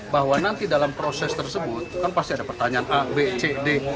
bahwa nanti dalam proses tersebut kan pasti ada pertanyaan a b c d